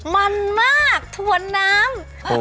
มันมากถวนน้ำ